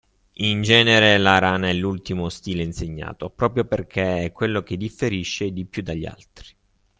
In genere la rana è l’ultimo stile insegnato, proprio perchè è quello che differisce di più dagli altri.